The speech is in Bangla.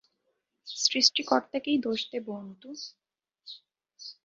সৃষ্টিকর্তাকেই দোষ দেব অন্তু।